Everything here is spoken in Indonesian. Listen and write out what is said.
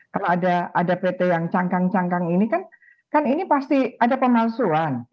kalau ada pt yang cangkang cangkang ini kan ini pasti ada pemalsuan